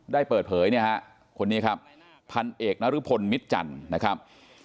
ได้เปิดเผยคนนี้ครับพันเอกนารุพลมิดจันทร์นะครับ